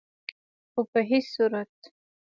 خو په هيڅ صورت